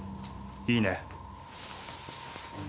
いいね？